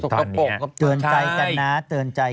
ตอนนี้เตือนใจกันนะ